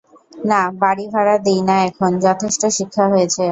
না, বাড়ি ভাড়া দিই না এখন, যথেষ্ট শিক্ষা হয়েছে।